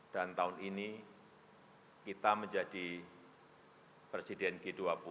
dan tahun ini kita menjadi presiden g dua puluh